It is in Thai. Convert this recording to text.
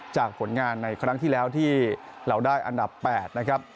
ผลงานในครั้งที่แล้วที่เราได้อันดับ๘นะครับ